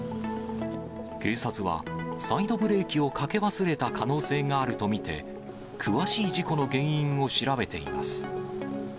警察は、サイドブレーキをかけ忘れた可能性があると見て、詳しい事故の原因を調べています。